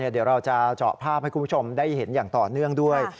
เดี๋ยวเราจะเจาะภาพให้คุณผู้ชมได้เห็นอย่างต่อเนื่องด้วย